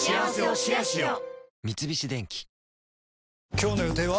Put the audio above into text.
今日の予定は？